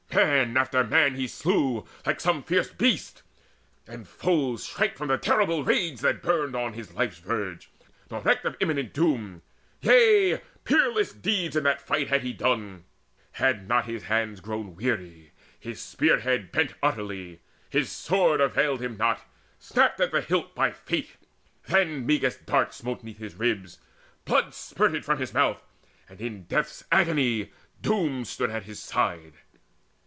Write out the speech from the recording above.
Man after man he slew like some fierce beast, And foes shrank from the terrible rage that burned On his life's verge, nor reeked of imminent doom. Yea, peerless deeds in that fight had he done, Had not his hands grown weary, his spear head Bent utterly: his sword availed him not, Snapped at the hilt by Fate. Then Meges' dart Smote 'neath his ribs; blood spurted from his mouth, And in death's agony Doom stood at his side.